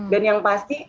dan yang pasti